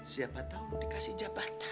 dia akan dikasih jabatan